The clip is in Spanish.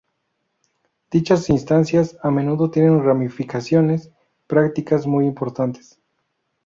Dichas instancias a menudo tienen ramificaciones prácticas muy importantes.